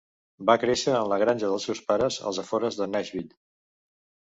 Va créixer en la granja dels seus pares als afores de Nashville.